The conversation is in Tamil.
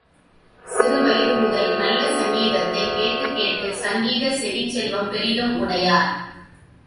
சிறு வயது முதல் நல்ல சங்கீதத்தைக் கேட்டுக் கேட்டு, சங்கீதச் செவிச் செல்வம் பெரிதும் உடையார்.